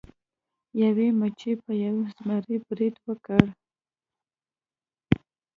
یوې مچۍ په یو زمري برید وکړ.